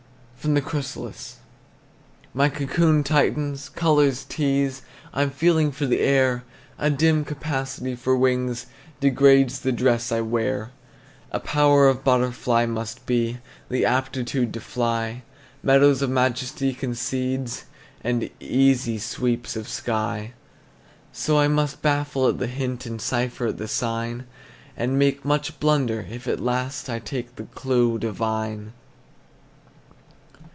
FROM THE CHRYSALIS. My cocoon tightens, colors tease, I'm feeling for the air; A dim capacity for wings Degrades the dress I wear. A power of butterfly must be The aptitude to fly, Meadows of majesty concedes And easy sweeps of sky. So I must baffle at the hint And cipher at the sign, And make much blunder, if at last I take the clew divine.